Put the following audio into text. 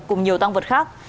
cùng nhiều tăng vật khác